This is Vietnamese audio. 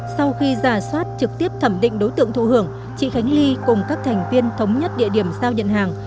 sau khi giả soát trực tiếp thẩm định đối tượng thụ hưởng chị khánh ly cùng các thành viên thống nhất địa điểm giao nhận hàng